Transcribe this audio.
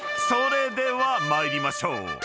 ［それでは参りましょう］